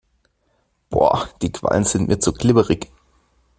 Boah, die Quallen sind mir zu glibberig.